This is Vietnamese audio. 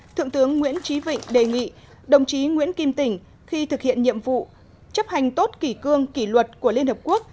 thượng tướng nguyễn trí vịnh đề nghị đồng chí nguyễn kim tỉnh khi thực hiện nhiệm vụ chấp hành tốt kỷ cương kỷ luật của liên hợp quốc